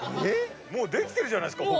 もうできてるじゃないですか。